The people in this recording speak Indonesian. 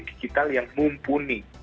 digital yang mumpuni